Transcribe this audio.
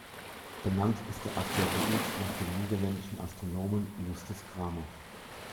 Benannt ist der Asteroid nach dem niederländischen Astronomen Justus Cramer.